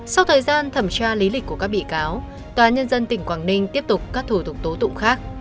sau thời gian thẩm tra lý lịch của các bị cáo tòa nhân dân tỉnh quảng ninh tiếp tục các thủ tục tố tụng khác